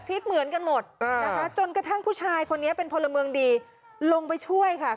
เหมือนกันหมดนะคะจนกระทั่งผู้ชายคนนี้เป็นพลเมืองดีลงไปช่วยค่ะ